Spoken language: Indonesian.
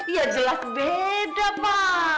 iya jelas beda ma